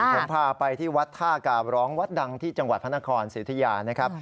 ผมพาไปที่วัดท่ากาบร้องวัดดังที่จังหวัดพระนครสิทธิยานะครับ